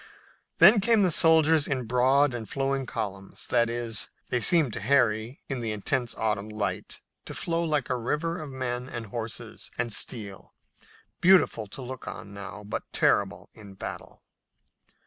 Then came the soldiers in broad and flowing columns, that is, they seemed to Harry, in the intense autumn light, to flow like a river of men and horses and steel, beautiful to look on now, but terrible in battle.